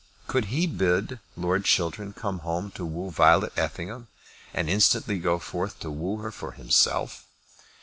Could he bid Lord Chiltern come home to woo Violet Effingham, and instantly go forth to woo her for himself?